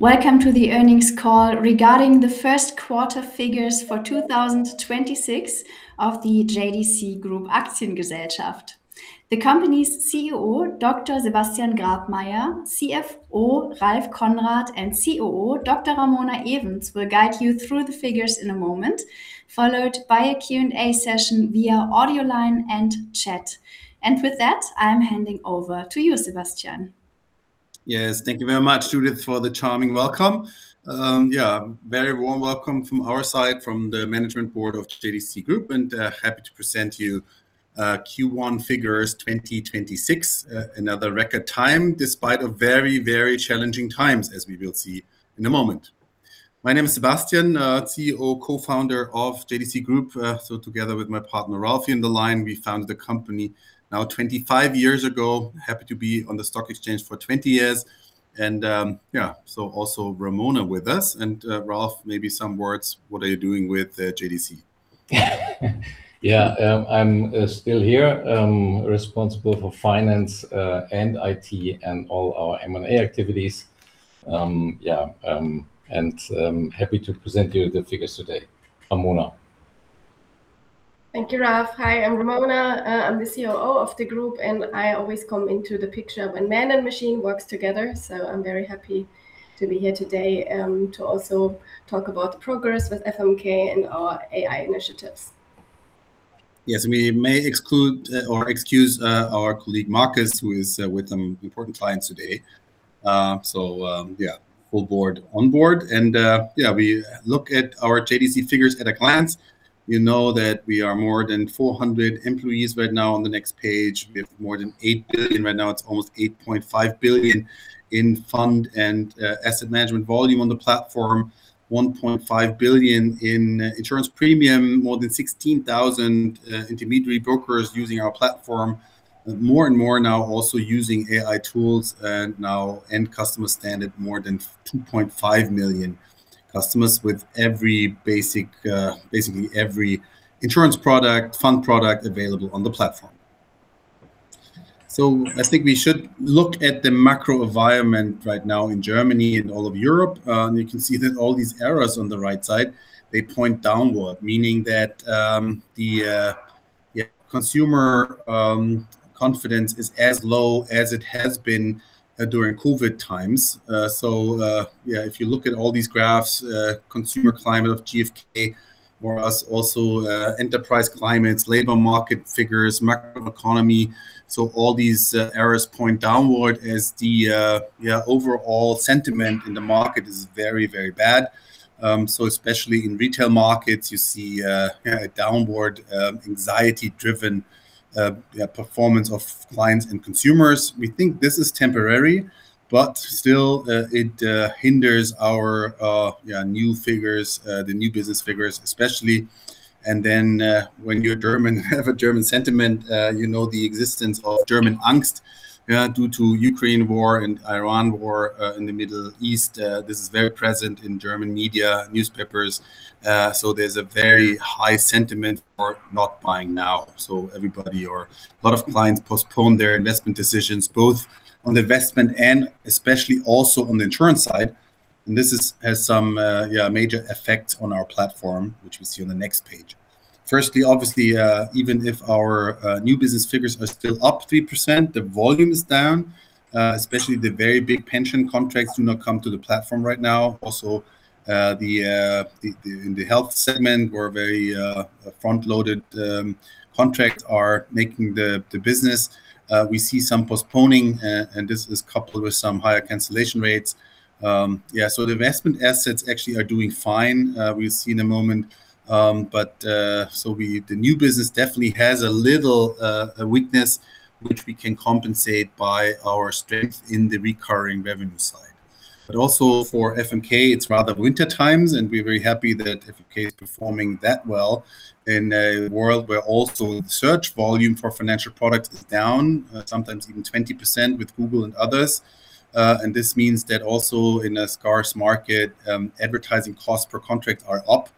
Welcome to the earnings call regarding the first quarter figures for 2026 of the JDC Group Aktiengesellschaft. The company's CEO, Dr. Sebastian Grabmaier, CFO Ralph Konrad, and COO Dr. Ramona Evens will guide you through the figures in a moment, followed by a Q&A session via audio line and chat. With that, I'm handing over to you, Sebastian. Yes. Thank you very much, Judith, for the charming welcome. Very warm welcome from our side, from the management board of JDC Group, happy to present to you Q1 figures 2026. Another record time despite of very challenging times, as we will see in a moment. My name is Sebastian, CEO, Co-Founder of JDC Group. Together with my partner Ralph in the line, we founded the company now 25 years ago. Happy to be on the stock exchange for 20 years. Also Ramona with us. Ralph, maybe some words what are you doing with JDC? Yeah. I'm still here, responsible for finance, and IT and all our M&A activities. Yeah, and happy to present you the figures today. Ramona. Thank you, Ralph. Hi, I'm Ramona. I'm the COO of the group, and I always come into the picture when man and machine works together. I'm very happy to be here today to also talk about the progress with FMK and our AI initiatives. Yes. We may exclude or excuse our colleague Marcus, who is with some important clients today. So, yeah, full board on board. Yeah, we look at our JDC figures at a glance. You know that we are more than 400 employees right now. On the next page, we have more than 8 billion. Right now, it's almost 8.5 billion in fund and asset management volume on the platform. 1.5 billion in insurance premium. More than 16,000 intermediary brokers using our platform. More and more now also using AI tools. Now end customers stand at more than 2.5 million customers with every basic, basically every insurance product, fund product available on the platform. I think we should look at the macro environment right now in Germany and all of Europe. You can see that all these arrows on the right side, they point downward, meaning that the, yeah, consumer confidence is as low as it has been during COVID times. Yeah, if you look at all these graphs, consumer climate of GfK, for us also, enterprise climates, labor market figures, macro economy. All these arrows point downward as the, yeah, overall sentiment in the market is very, very bad. Especially in retail markets, you see a downward, anxiety-driven, performance of clients and consumers. We think this is temporary, but still, it hinders our, yeah, new figures, the new business figures especially. When you're German, have a German sentiment, you know the existence of German Angst, yeah, due to Ukraine War and Iran War in the Middle East. This is very present in German media, newspapers. There's a very high sentiment for not buying now. Everybody or a lot of clients postpone their investment decisions, both on the investment and especially also on the insurance side. This is, has some, yeah, major effect on our platform, which we see on the next page. Firstly, obviously, even if our new business figures are still up 3%, the volume is down. Especially the very big pension contracts do not come to the platform right now. The in the health segment were very front-loaded contracts are making the business. We see some postponing, and this is coupled with some higher cancellation rates. The investment assets actually are doing fine, we'll see in a moment. We the new business definitely has a little weakness, which we can compensate by our strength in the recurring revenue side. Also for FMK, it's rather winter times, and we're very happy that FMK is performing that well in a world where also the search volume for financial products is down, sometimes even 20% with Google and others. This means that also in a scarce market, advertising costs per contract are up.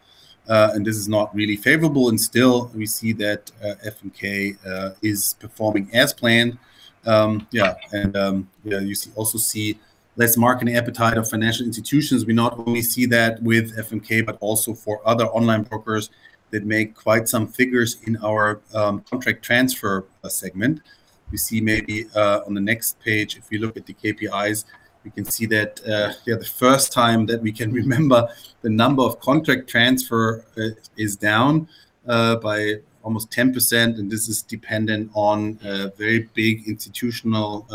This is not really favorable. Still, we see that FMK is performing as planned. You also see less marketing appetite of financial institutions. We not only see that with FMK, but also for other online brokers that make quite some figures in our contract transfer segment. We see maybe on the next page, if you look at the KPIs, we can see that, yeah, the first time that we can remember the number of contract transfer is down by almost 10%, and this is dependent on very big institutional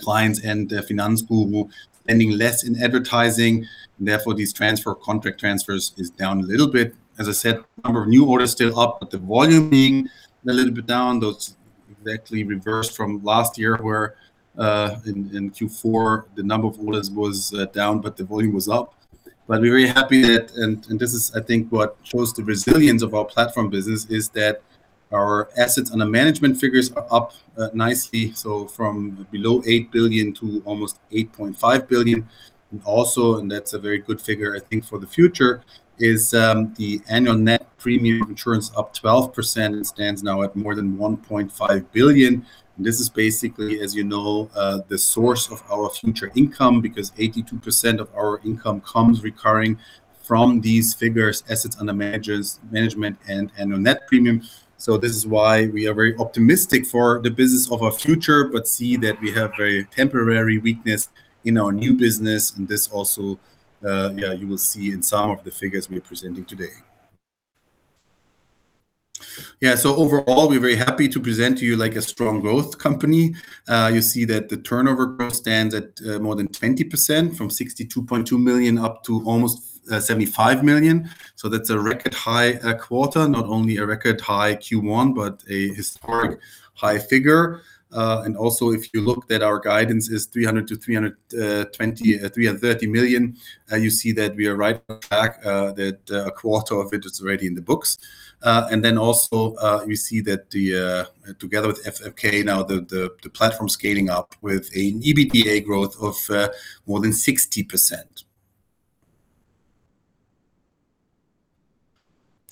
clients and Finanzguru spending less in advertising. Therefore, these contract transfers is down a little bit. As I said, number of new orders still up, but the volume being a little bit down. Those exactly reversed from last year where in Q4, the number of orders was down, but the volume was up. We're very happy that, and this is, I think, what shows the resilience of our platform business, is that our assets under management figures are up nicely. From below 8 billion to almost 8.5 billion. That's a very good figure, I think, for the future, is the annual net premium insurance up 12% and stands now at more than 1.5 billion. This is basically, as you know, the source of our future income because 82% of our income comes recurring from these figures, assets under management and on net premium. This is why we are very optimistic for the business of our future, but see that we have very temporary weakness in our new business, and this also, you will see in some of the figures we are presenting today. Yeah, overall, we're very happy to present to you like a strong growth company. You see that the turnover growth stands at more than 20% from 62.2 million up to almost 75 million. That's a record high quarter, not only a record high Q1, but a historic high figure. And also if you look that our guidance is 300 million to 320 million, 330 million, you see that we are right on track, that a quarter of it is already in the books. And then also, you see that the together with FMK now, the platform scaling up with an EBITDA growth of more than 60%.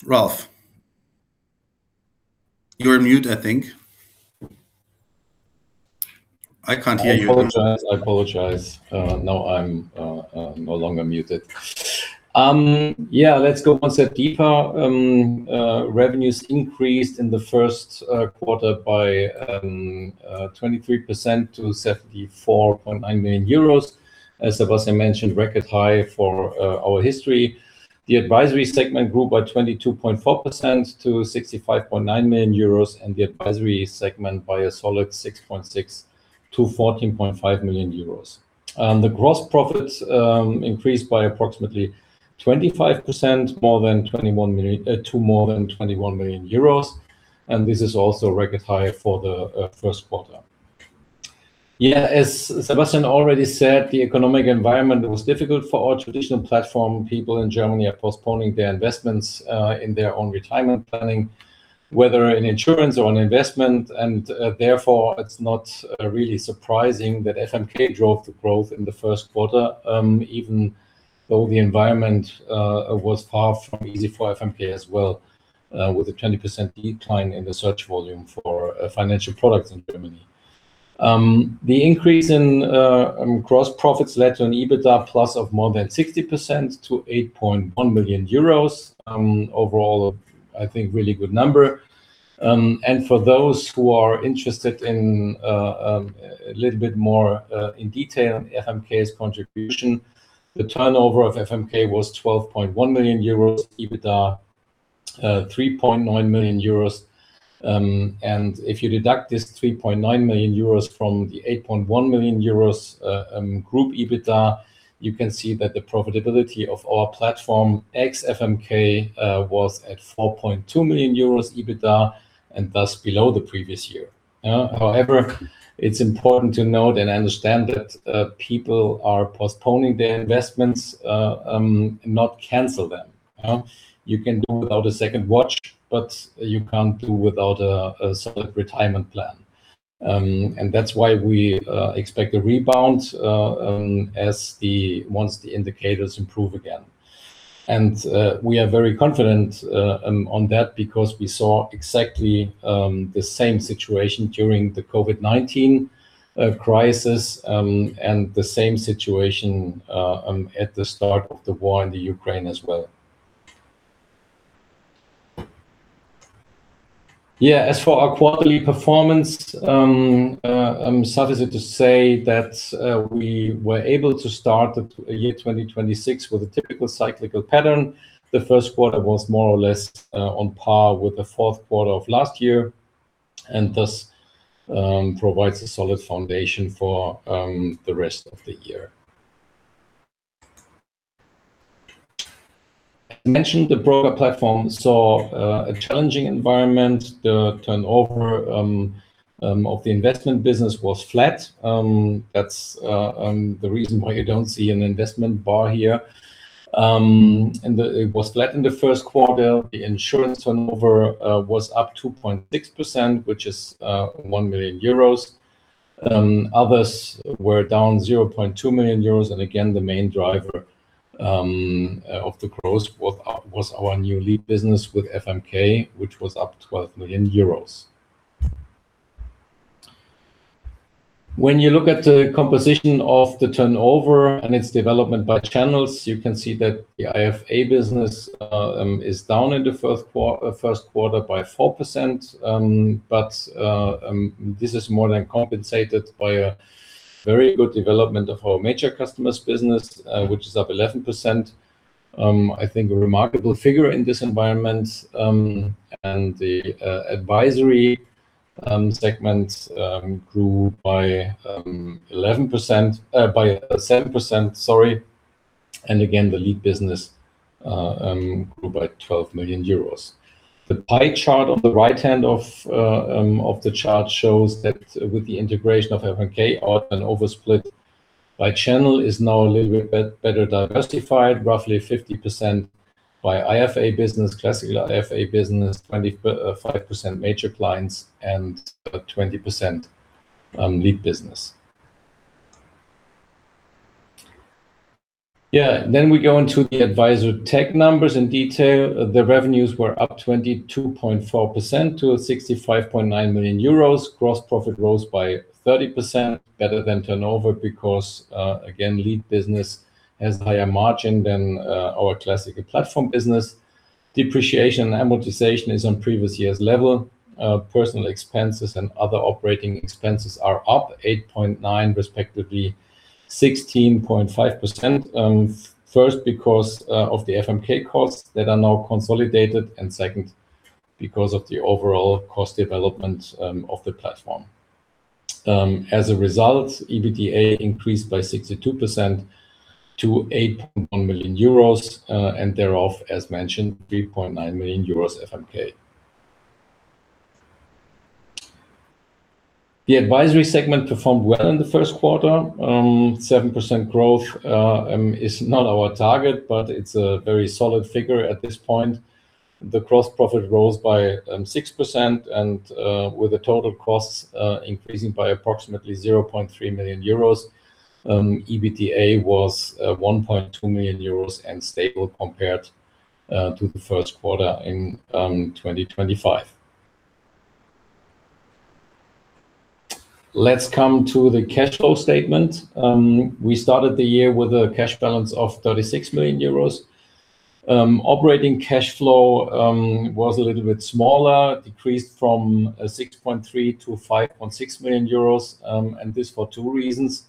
Ralph. You're on mute, I think. I can't hear you. I apologize. Now I'm no longer muted. Let's go one step deeper. Revenues increased in the first quarter by 23% to 74.9 million euros. As Sebastian mentioned, record high for our history. The advisory segment grew by 22.4% to 65.9 million euros, and the advisory segment by a solid 6.6% to 14.5 million euros. The gross profits increased by approximately 25%, more than 21 million to more than 21 million euros, and this is also record high for the first quarter. As Sebastian already said, the economic environment was difficult for our traditional platform. People in Germany are postponing their investments in their own retirement planning, whether in insurance or in investment. Therefore, it's not really surprising that FMK drove the growth in the first quarter, even though the environment was far from easy for FMK as well, with a 20% decline in the search volume for financial products in Germany. The increase in gross profits led to an EBITDA plus of more than 60% to 8.1 million euros. Overall, a, I think, really good number. For those who are interested in a little bit more in detail on FMK's contribution, the turnover of FMK was 12.1 million euros, EBITDA, 3.9 million euros. If you deduct this 3.9 million euros from the 8.1 million euros group EBITDA, you can see that the profitability of our platform ex FMK was at 4.2 million euros EBITDA and thus below the previous year. However, it's important to note and understand that people are postponing their investments, not cancel them. You can do without a second watch, but you can't do without a solid retirement plan. That's why we expect a rebound once the indicators improve again. We are very confident on that because we saw exactly the same situation during the COVID-19 crisis and the same situation at the start of the war in the Ukraine as well. Yeah, as for our quarterly performance, suffice it to say that we were able to start the year 2026 with a typical cyclical pattern. The first quarter was more or less on par with the fourth quarter of last year, and thus provides a solid foundation for the rest of the year. I mentioned the broker platform saw a challenging environment. The turnover of the investment business was flat. That's the reason why you don't see an investment bar here. It was flat in the first quarter. The insurance turnover was up 2.6%, which is 1 million euros. Others were down 0.2 million euros. Again, the main driver of the growth was our new lead business with FMK, which was up 12 million euros. When you look at the composition of the turnover and its development by channels, you can see that the IFA business is down in the first quarter by 4%. This is more than compensated by a very good development of our major customers business, which is up 11%. I think a remarkable figure in this environment. The advisory segment grew by 11%, by 7%, sorry. Again, the lead business grew by 12 million euros. The pie chart on the right-hand of the chart shows that with the integration of FMK, our turnover split by channel is now a little bit better diversified, roughly 50% by IFA business, classical IFA business, 25% major clients, and about 20% lead business. Yeah. We go into the advisory tech numbers in detail. The revenues were up 22.4% to 65.9 million euros. Gross profit rose by 30%, better than turnover because again, lead business has higher margin than our classical platform business. Depreciation and amortization is on previous year's level. Personal expenses and other operating expenses are up 8.9% respectively 16.5%. First, because of the FMK costs that are now consolidated, and second, because of the overall cost development of the platform. As a result, EBITDA increased by 62% to 8.1 million euros, and thereof, as mentioned, 3.9 million euros FMK. The advisory segment performed well in the first quarter. 7% growth is not our target, but it's a very solid figure at this point. The gross profit rose by 6% and with the total costs increasing by approximately 0.3 million euros. EBITDA was 1.2 million euros and stable compared to the first quarter in 2025. Let's come to the cash flow statement. We started the year with a cash balance of 36 million euros. Operating cash flow was a little bit smaller, decreased from 6.3 million euros to 5.6 million euros, and this for two reasons.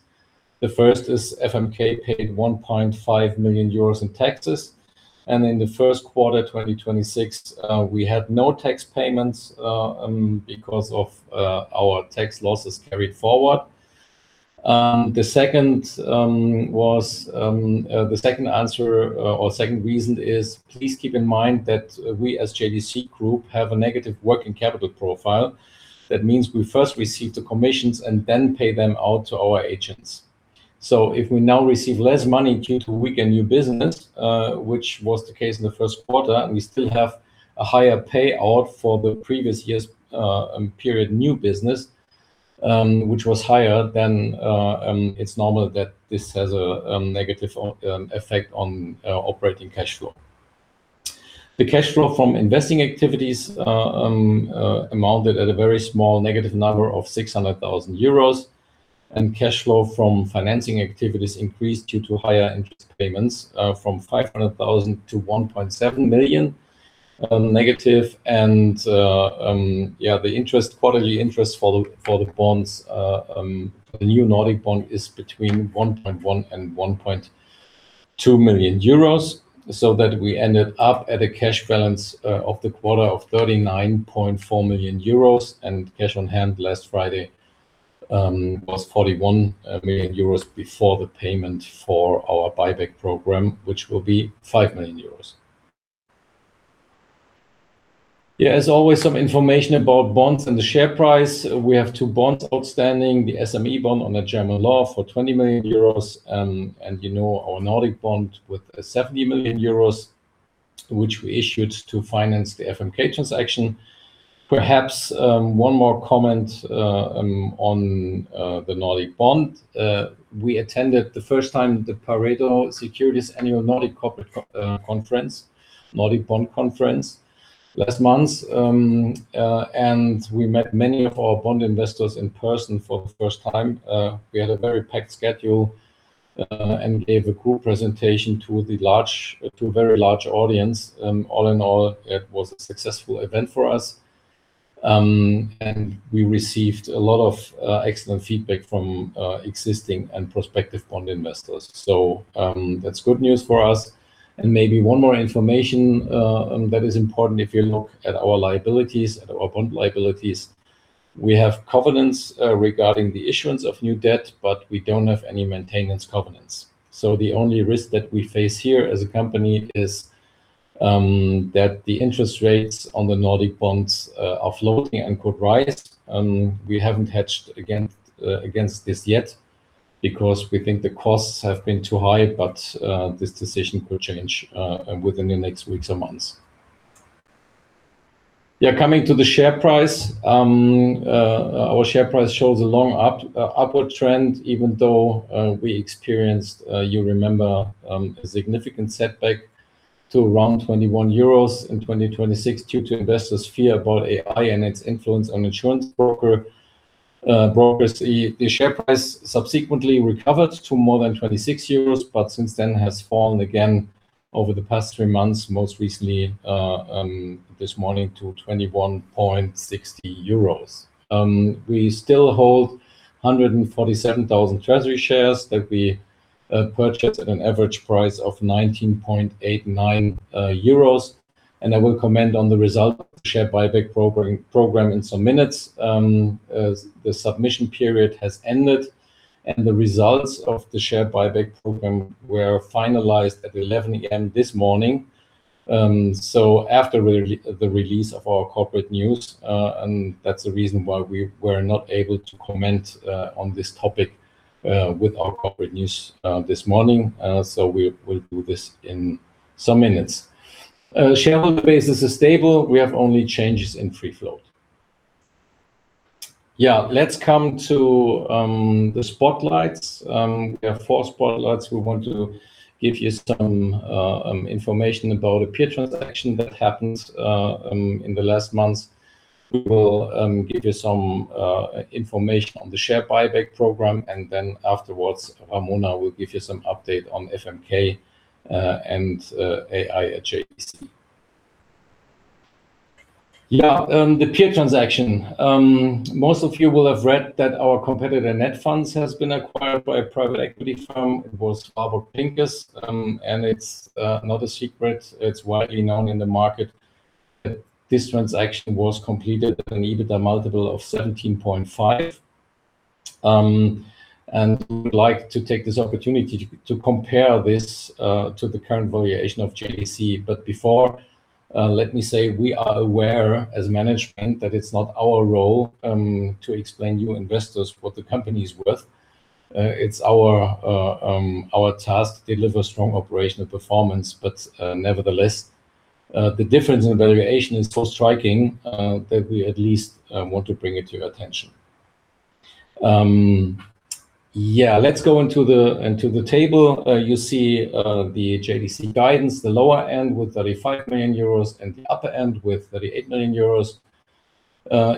The first is FMK paid 1.5 million euros in taxes. In the first quarter, 2026, we had no tax payments because of our tax losses carried forward. The second was the second answer or second reason is please keep in mind that we, as JDC Group, have a negative working capital profile. That means we first receive the commissions and then pay them out to our agents. If we now receive less money due to weaker new business, which was the case in the first quarter, and we still have a higher payout for the previous year's period new business, which was higher than It's normal that this has a negative effect on operating cash flow. The cash flow from investing activities amounted at a very small negative number of 600,000 euros, and cash flow from financing activities increased due to higher interest payments from 500,000 to 1.7 million negative. The interest, quarterly interest for the bonds, the new Nordic bond is between 1.1 million and 1.2 million euros, so that we ended up at a cash balance of the quarter of 39.4 million euros, and cash on hand last Friday was 41 million euros before the payment for our buyback program, which will be 5 million euros. As always, some information about bonds and the share price. We have two bonds outstanding, the SME bond under German law for 20 million euros, you know our Nordic bond with 70 million euros, which we issued to finance the FMK transaction. Perhaps, one more comment on the Nordic bond. We attended the first time the Pareto Securities Annual Nordic Corporate Conference, Nordic Bond Conference last month. We met many of our bond investors in person for the first time. We had a very packed schedule, gave a group presentation to a very large audience. All in all, it was a successful event for us. We received a lot of excellent feedback from existing and prospective bond investors. That's good news for us. Maybe one more information that is important if you look at our liabilities, at our bond liabilities. We have covenants regarding the issuance of new debt, but we don't have any maintenance covenants. The only risk that we face here as a company is that the interest rates on the Nordic bonds are floating and could rise. We haven't hedged against this yet because we think the costs have been too high, but this decision could change within the next weeks or months. Coming to the share price. Our share price shows a long upward trend, even though we experienced, you remember, a significant setback to around 21 euros in 2026 due to investors' fear about AI and its influence on insurance brokers. The share price subsequently recovered to more than 26 euros, but since then has fallen again over the past three months, most recently this morning to 21.60 euros. We still hold 147,000 treasury shares that we purchased at an average price of 19.89 euros. I will comment on the result of the share buyback program in some minutes. As the submission period has ended, and the results of the share buyback program were finalized at 11:00 A.M. this morning. After the release of our corporate news, and that's the reason why we were not able to comment on this topic with our corporate news this morning. We'll do this in some minutes. Shareholder base is stable. We have only changes in free float. Let's come to the spotlights. We have four spotlights. We want to give you some information about a peer transaction that happened in the last months. We will give you some information on the share buyback program, and then afterwards, Ramona will give you some update on FMK and AI at JDC. The peer transaction. Most of you will have read that our competitor Netfonds has been acquired by a private equity firm. It was Warburg Pincus, and it's not a secret, it's widely known in the market that this transaction was completed and needed a multiple of 17.5. We would like to take this opportunity to compare this to the current valuation of JDC. Before, let me say, we are aware as management that it's not our role to explain to you investors what the company's worth. It's our task to deliver strong operational performance, nevertheless, the difference in valuation is so striking that we at least want to bring it to your attention. Let's go into the table. You see the JDC guidance, the lower end with 35 million euros and the upper end with 38 million euros.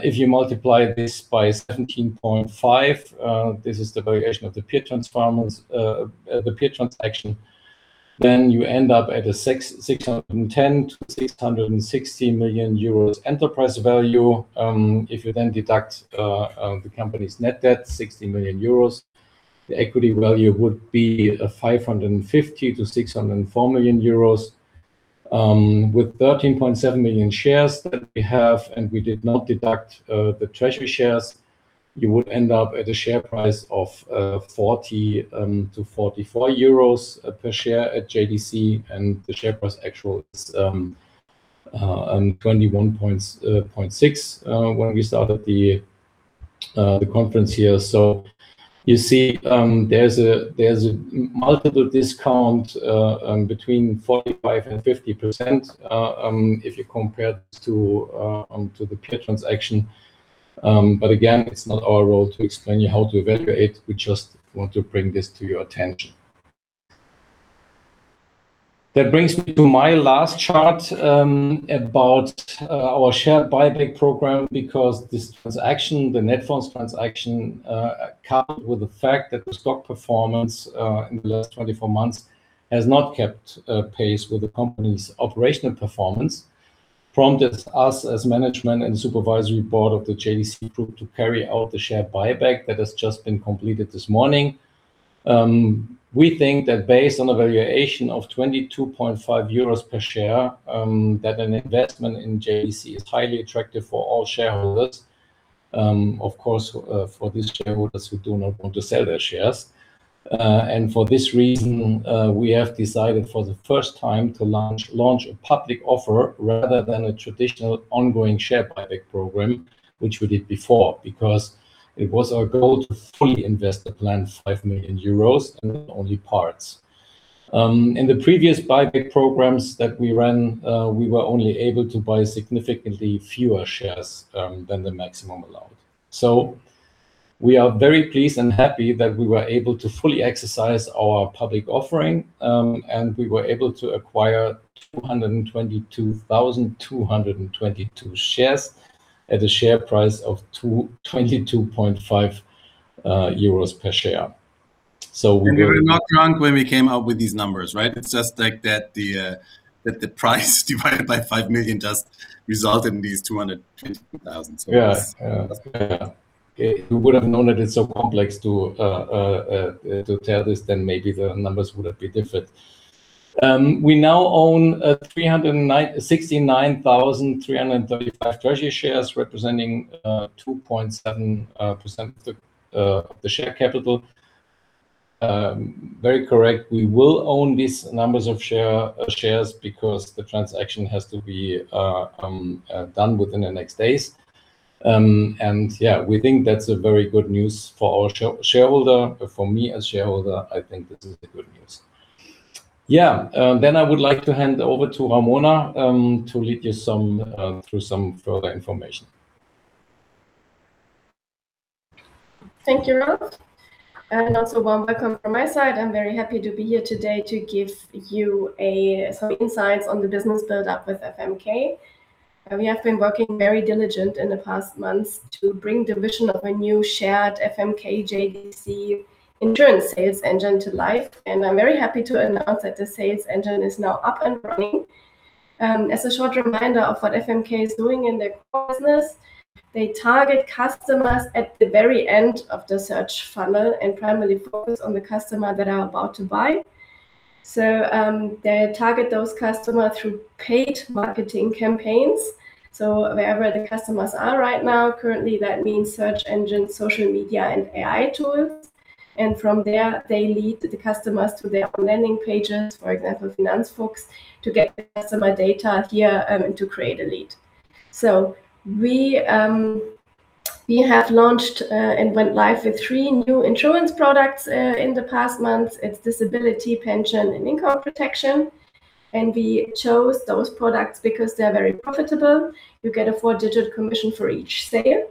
If you multiply this by 17.5, this is the valuation of the peer transaction, then you end up at a 610 million-660 million euros enterprise value. If you deduct the company's net debt, 60 million euros, the equity value would be 550 million-604 million euros. With 13.7 million shares that we have, and we did not deduct the treasury shares, you would end up at a share price of 40-44 euros per share at JDC, and the share price actual is 21.6 when we started the conference here. You see, there's a multiple discount between 45%-50% if you compare to the peer transaction. Again, it's not our role to explain to you how to evaluate, we just want to bring this to your attention. That brings me to my last chart, about our share buyback program because this transaction, the Netfonds transaction, coupled with the fact that the stock performance in the last 24 months has not kept pace with the company's operational performance, prompted us as management and supervisory board of the JDC Group to carry out the share buyback that has just been completed this morning. We think that based on a valuation of 22.5 euros per share, that an investment in JDC is highly attractive for all shareholders. Of course, for these shareholders who do not want to sell their shares. For this reason, we have decided for the first time to launch a public offer rather than a traditional ongoing share buyback program, which we did before because it was our goal to fully invest the planned 5 million euros and not only parts. In the previous buyback programs that we ran, we were only able to buy significantly fewer shares than the maximum allowed. We are very pleased and happy that we were able to fully exercise our public offering, and we were able to acquire 222,222 shares at a share price of 22.5 euros per share. We were not drunk when we came up with these numbers, right? It's just like that the price divided by 5 million just resulted in these 222,000 shares. Yeah. If we would've known that it's so complex to tell this, then maybe the numbers would have been different. We now own 369,335 treasury shares, representing 2.7% of the share capital. Very correct. We will own these numbers of shares because the transaction has to be done within the next days. Yeah, we think that's a very good news for our shareholder. For me as shareholder, I think this is a good news. Yeah. I would like to hand over to Ramona Evens to lead you through some further information. Thank you, Ralph. Also warm welcome from my side. I'm very happy to be here today to give you some insights on the business build-up with FMK. We have been working very diligent in the past months to bring the vision of a new shared FMK JDC insurance sales engine to life, and I'm very happy to announce that the sales engine is now up and running. As a short reminder of what FMK is doing in their core business, they target customers at the very end of the search funnel and primarily focus on the customer that are about to buy. They target those customer through paid marketing campaigns. Wherever the customers are right now, currently, that means search engines, social media and AI tools. From there, they lead the customers to their own landing pages, for example, Finanzfox, to get the customer data here and to create a lead. We have launched and went live with three new insurance products in the past months. It's disability, pension, and income protection. We chose those products because they're very profitable. You get a four-digit commission for each sale.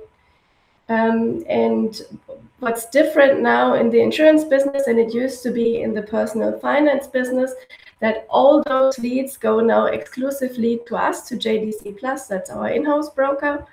What's different now in the insurance business than it used to be in the personal finance business, that all those leads go now exclusively to us, to JDC Plus, that's our in-house broker.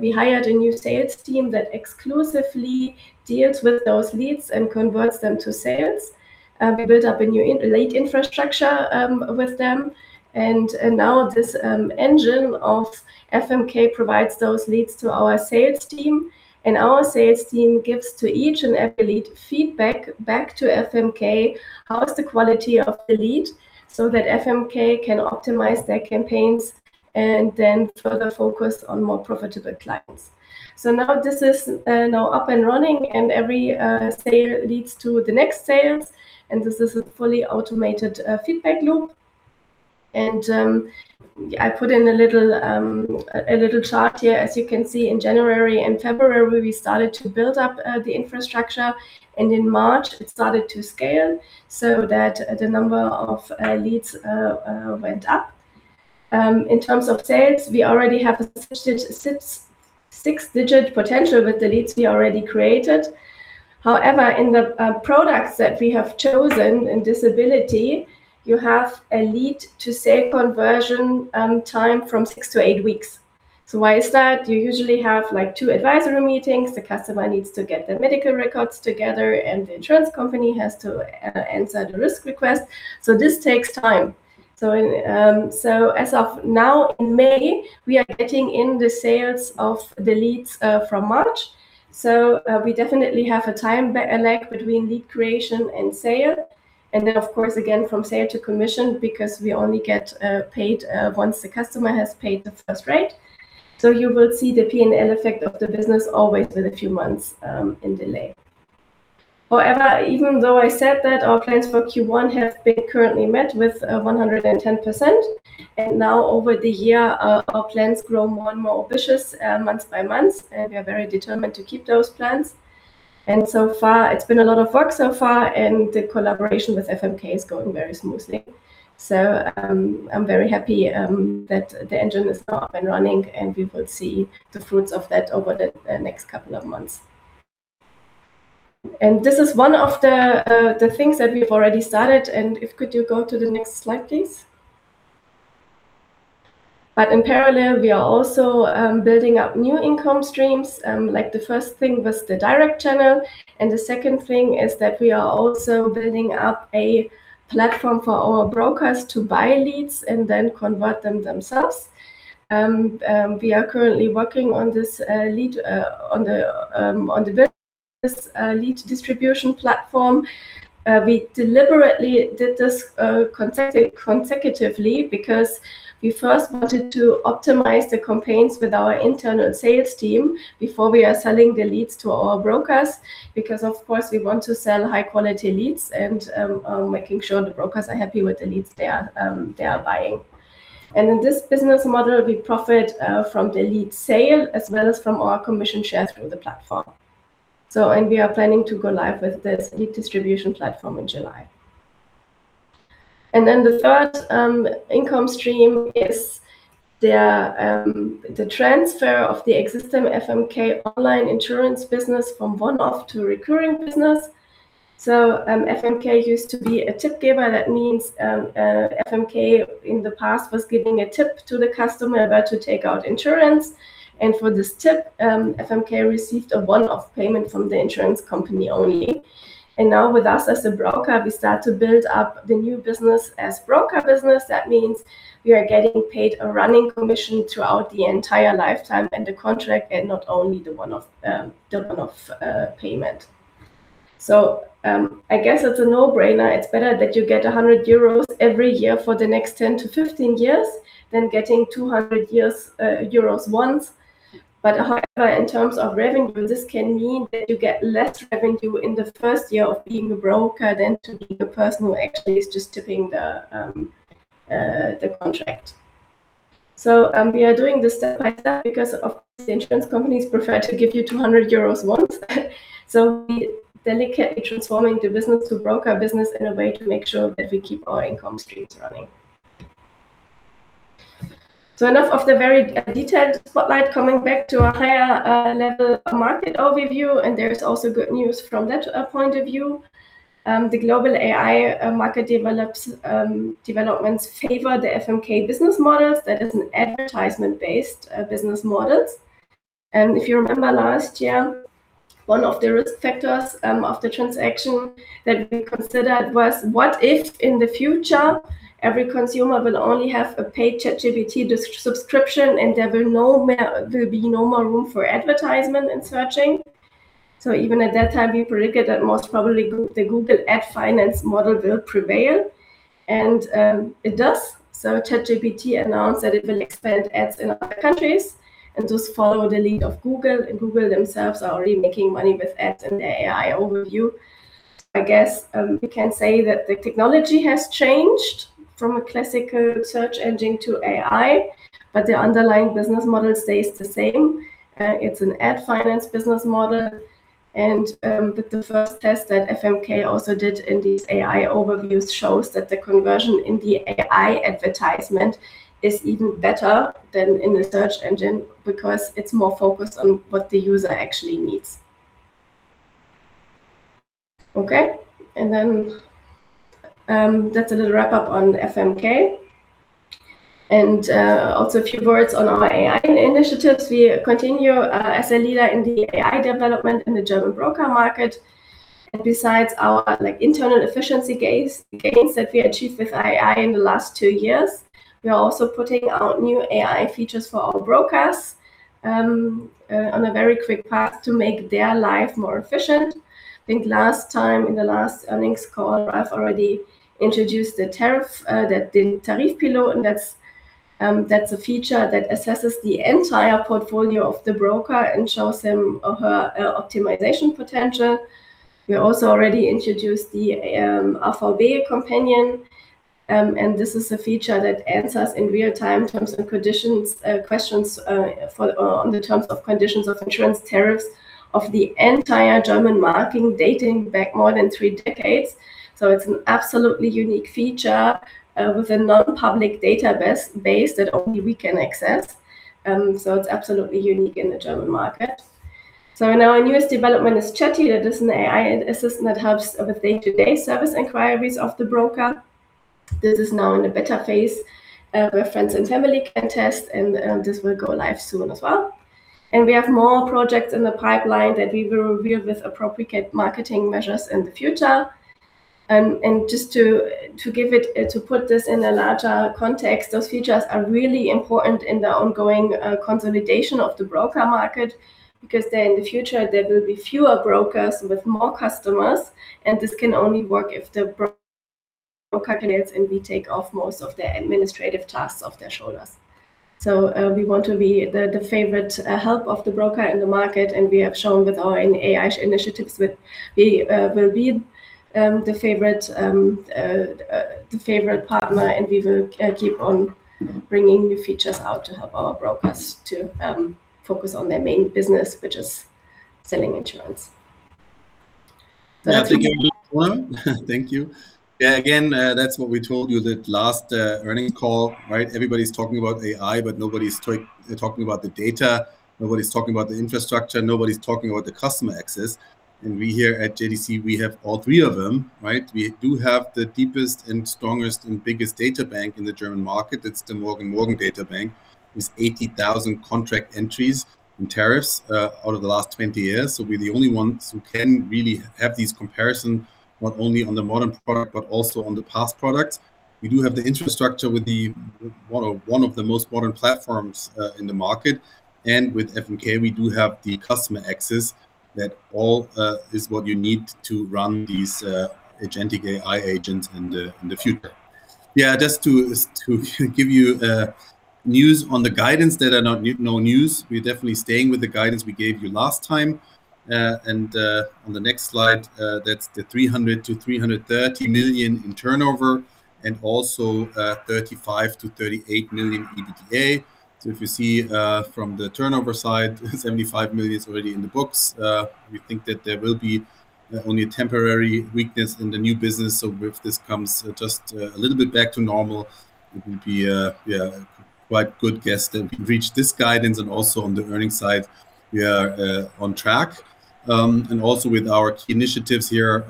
We hired a new sales team that exclusively deals with those leads and converts them to sales. We built up a new in- lead infrastructure with them. Now this engine of FMK provides those leads to our sales team, and our sales team gives to each and every lead feedback back to FMK how is the quality of the lead, so that FMK can optimize their campaigns and then further focus on more profitable clients. Now this is now up and running. Every sale leads to the next sales, and this is a fully automated feedback loop. I put in a little chart here. As you can see, in January and February we started to build up the infrastructure, and in March it started to scale so that the number of leads went up. In terms of sales, we already have a six-digit potential with the leads we already created. However, in the products that we have chosen in disability, you have a lead to sale conversion time from six to eight weeks. Why is that? You usually have, like, two advisory meetings. The customer needs to get their medical records together, and the insurance company has to answer the risk request. This takes time. As of now in May, we are getting in the sales of the leads from March. We definitely have a time lag between lead creation and sale. Then, of course, again, from sale to commission because we only get paid once the customer has paid the first rate. You will see the P&L effect of the business always with a few months in delay. However, even though I said that our plans for Q1 have been currently met with 110%, and now over the year our plans grow more and more ambitious month by month, and we are very determined to keep those plans. It's been a lot of work so far, and the collaboration with FMK is going very smoothly. I'm very happy that the engine is now up and running, and we will see the fruits of that over the next couple of months. This is one of the things that we've already started and if could you go to the next slide, please? In parallel, we are also building up new income streams. Like the first thing was the direct channel, and the second thing is that we are also building up a platform for our brokers to buy leads and then convert them themselves. We are currently working on this lead from a classical search engine to AI, but the underlying business model stays the same. It's an ad finance business model. The first test that FMK also did in these AI overviews shows that the conversion in the AI advertisement is even better than in the search engine, because it's more focused on what the user actually needs. Okay. That's a little wrap-up on FMK. Also a few words on our AI initiatives. We continue as a leader in the AI development in the German broker market. Besides our internal efficiency gains that we achieved with AI in the last two years, we are also putting out new AI features for our brokers on a very quick path to make their life more efficient. I think last time in the last earnings call, I've already introduced the Tarifpilot, and that's a feature that assesses the entire portfolio of the broker and shows him or her optimization potential. We also already introduced the AVB Companion. This is a feature that answers in real time terms and conditions questions for, or on the terms of conditions of insurance tariffs of the entire German market dating back more than three decades. It's an absolutely unique feature with a non-public database that only we can access. It's absolutely unique in the German market. Now our newest development is Chatty. That is an AI assistant that helps with the day-to-day service inquiries of the broker. This is now in a beta phase. Where friends and family can test, and this will go live soon as well. We have more projects in the pipeline that we will reveal with appropriate marketing measures in the future. Just to give it, to put this in a larger context, those features are really important in the ongoing consolidation of the broker market, because then in the future there will be fewer brokers with more customers, and this can only work if the brokers and we take off most of the administrative tasks off their shoulders. We want to be the favorite help of the broker in the market, and we have shown with our AI initiatives that we will be the favorite partner, and we will keep on bringing new features out to help our brokers to focus on their main business, which is selling insurance. Thank you. Again, that's what we told you that last earnings call, right? Everybody's talking about AI, but nobody's talking about the data. Nobody's talking about the infrastructure. Nobody's talking about the customer access. We here at JDC, we have all three of them, right? We do have the deepest and strongest and biggest data bank in the German market. That's the Morgen & Morgen data bank. With 80,000 contract entries and tariffs out of the last 20 years. We're the only ones who can really have these comparison, not only on the modern product, but also on the past products. We do have the infrastructure with one of the most modern platforms in the market. With FMK, we do have the customer access that all is what you need to run these agentic AI agents in the future. Yeah, just to give you news on the guidance that are not no news. We're definitely staying with the guidance we gave you last time. On the next slide, that's 300 million-330 million in turnover, and also 35 million-38 million EBITDA. If you see, from the turnover side, 75 million is already in the books. We think that there will be only a temporary weakness in the new business. If this comes just a little bit back to normal, it will be a quite good guess that we reach this guidance and also on the earnings side, we are on track. Also with our initiatives here,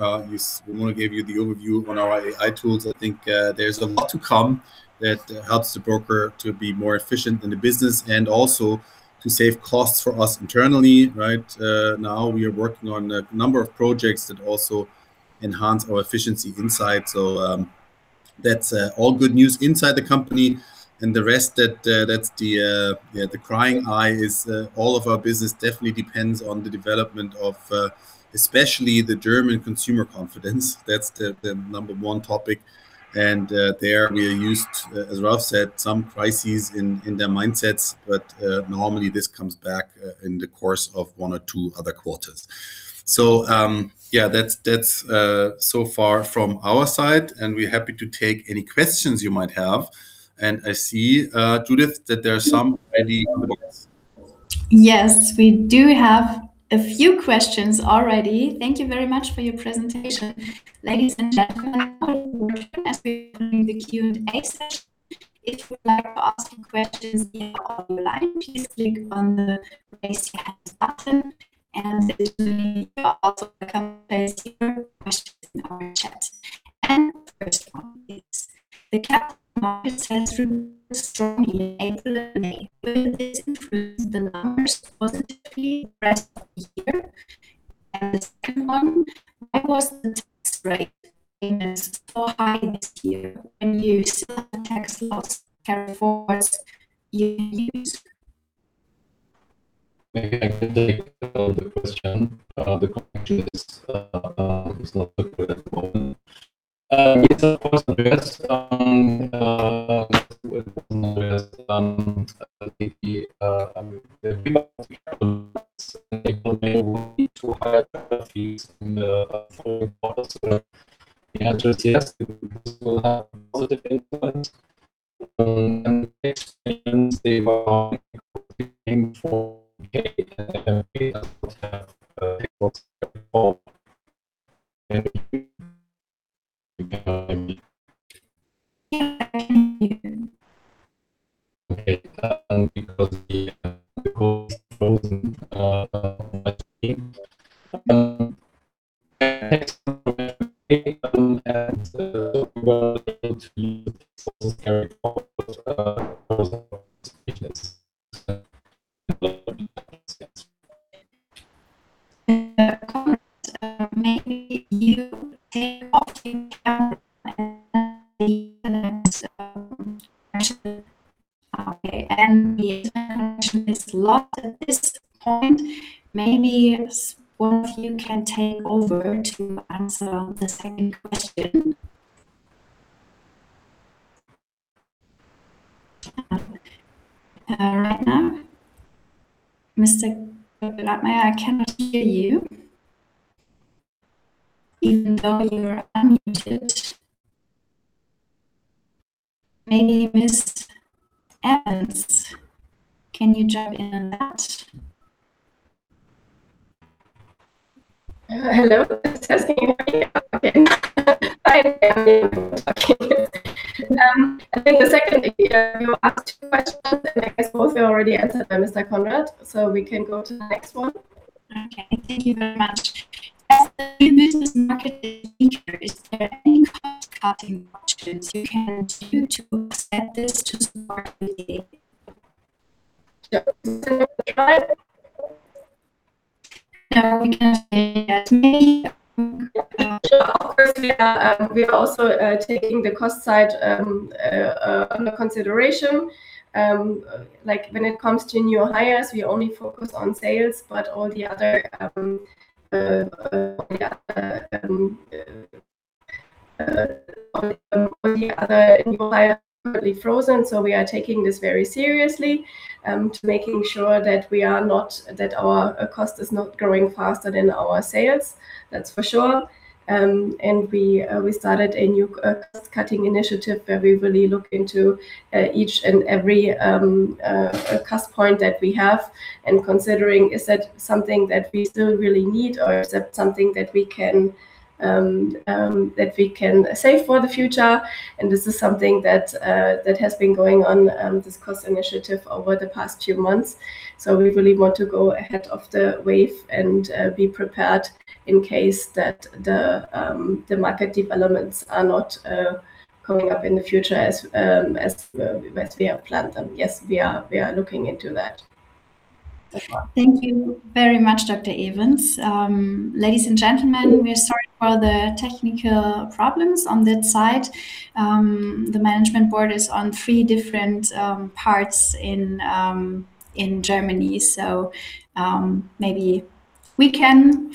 we wanna give you the overview on our AI tools. I think, there's a lot to come that helps the broker to be more efficient in the business and also to save costs for us internally, right? Now we are working on a number of projects that also enhance our efficiency inside. That's all good news inside the company. The rest that's the crying eye is, all of our business definitely depends on the development of especially the German consumer confidence. That's the number one topic. There we used, as Ralph said, some crises in their mindsets, but normally this comes back in the course of one or two other quarters. Yeah, that's so far from our side, and we're happy to take any questions you might have. I see, Judith, that there are some already. Yes, we do have a few questions already. Thank you very much for your presentation. Ladies and gentlemen, as we are doing the Q&A session, if you would like to ask some questions here online, please click on the Raise Your Hand button. Additionally, you are also welcome to place your questions in our chat. First one is, the capital markets has reduced strongly in April and May. Will this improve the numbers positively the rest of the year? The second one, why was the tax rate payments so high this year when you still have tax loss carry forwards you use? I can take the question. The connection is not so good at the moment. It was addressed on the too high fees in the forward models. The answer is yes, this will have a positive influence. The next question, they want for FMK does not have tax loss carryforward. Can you Yeah, I can hear you. Okay. because the call is frozen. Okay. We will need to use this carryforward for the next few years. Konrad, maybe you take off camera and the next question. Okay. The internet connection is lost at this point. Maybe one of you can take over to answer the second question. Right now, Mr. Grabmaier, I cannot hear you even though you're unmuted. Maybe Ms. Evens, can you jump in on that? Hello. Testing. Can you hear me? Okay. Finally, I'm being unmuted. Okay. I think the second, you asked two questions, and I guess both were already answered by Mr. Konrad, so we can go to the next one. Okay. Thank you very much. As the business market is weaker, is there any cost-cutting options you can do to offset this to some market leading? Yeah. Now we can hear you, Ramona. Yeah. Sure. Of course, we are, we are also taking the cost side under consideration. Like when it comes to new hires, we only focus on sales, but all the other, yeah, all the other new hires are completely frozen. We are taking this very seriously to making sure that our cost is not growing faster than our sales. That's for sure. We started a new cost-cutting initiative where we really look into each and every cost point that we have and considering is that something that we still really need or is that something that we can, that we can save for the future. This is something that has been going on, this cost initiative over the past few months. We really want to go ahead of the wave and be prepared in case that the market developments are not coming up in the future as as we have planned them. Yes, we are looking into that as well. Thank you very much, Dr. Evens. Ladies and gentlemen, we are sorry for the technical problems on that side. The management board is on three different parts in Germany, so, maybe we can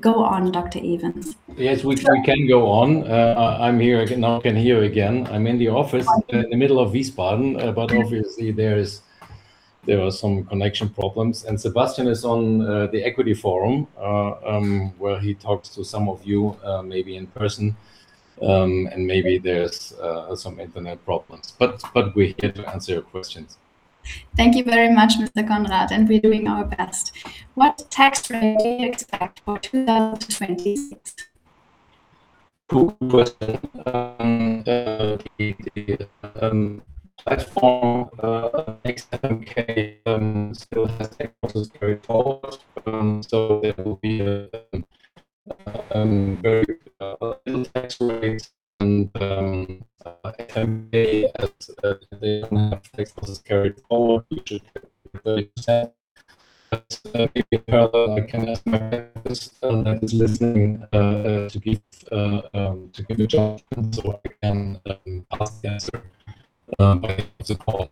go on, Dr. Evens. Yes, we can go on. I'm here. Now I can hear you again. I'm in the office. Hi. In the middle of Wiesbaden. Obviously there were some connection problems. Sebastian is on the Equity Forum where he talks to some of you maybe in person, and maybe there's some internet problems. We're here to answer your questions. Thank you very much, Mr. Konrad, and we're doing our best. What tax rate do you expect for 2026? Good question. The platform of FMK still has tax losses carried forward, so there will be very little tax rates and FMK as they don't have tax losses carried forward, we should get 30%. Maybe, Carla, I can ask my analyst that is listening to give a judgment so I can pass the answer by the end of the call.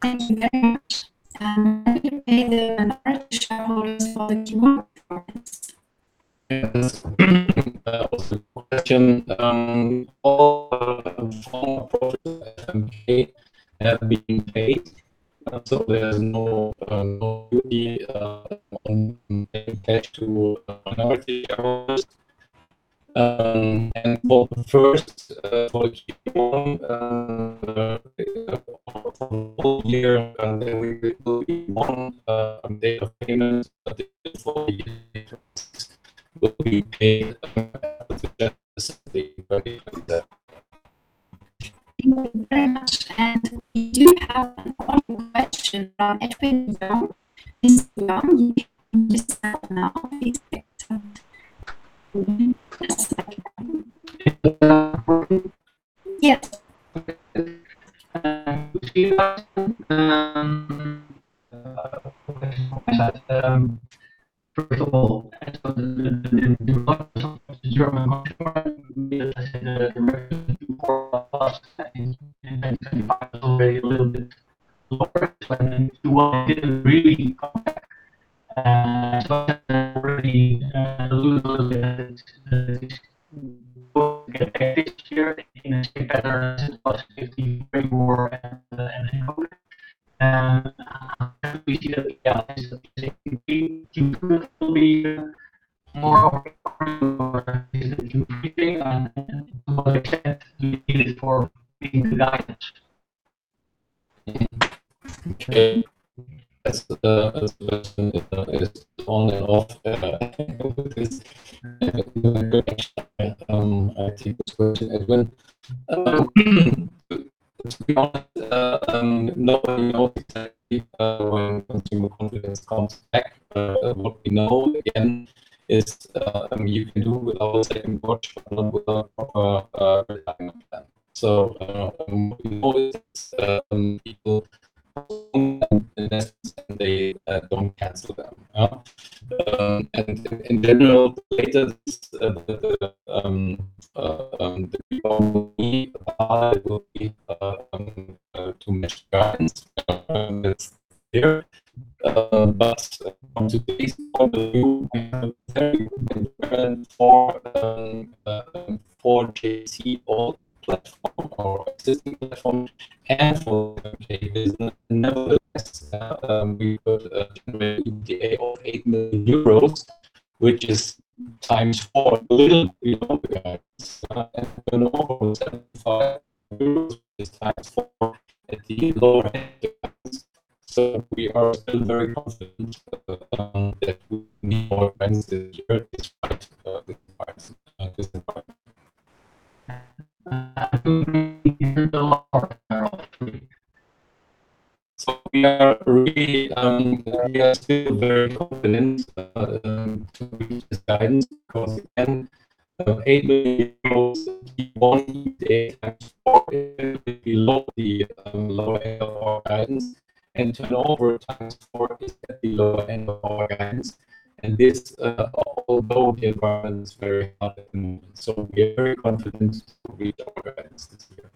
Thank you very much. Did you pay the minority shareholders for the Q1 profits? Yes. That was the question. All form approaches to FMK have been paid, there's no duty on paying cash to minority shareholders. For first for Q1 for the full year there will be one date of payment. Thank you very much. We do have one question on Edwin Leung. Mr. Leung, you can just unmute yourself now. Please take your time. One second. Is that working? Yes. Good to see you, Sebastian. Okay. First of all, as for the German market already a little bit lower than we wanted it to really come back. That's already a little bit this book this year in a better +15% pre-war and COVID. We see that, yeah, this is a big improvement will be more open for this thing and more chance to use it for being guidance. Okay. That's the question that is on and off, because I think this question as well. To be honest, nobody knows exactly when consumer confidence comes back. What we know again is, you can do without a saving approach and without proper retirement plan. What we know is, people invest and they don't cancel them. In general, the latest the people need are will be to match guidance. That's there. Based on the view, I have a very good trend for JDC old platform or existing platform and for business. Nevertheless, we've got a generative EBITDA of 8 million euros, which is 4x a little bit beyond the guidance. The normal EUR 75 is times four at the lower end of the guidance. We are still very confident that we need more guidance this year despite the price. Could we hear the lower parallel three? We are still very confident to reach this guidance because again, EUR 8 million, 8.1 EBITDA times four is definitely below the lower end of our guidance. Turnover times four is at the lower end of our guidance. This, although the environment is very hard at the moment. We're very confident to reach our guidance this year.